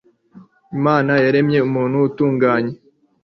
imana yaremye umuntu utunganye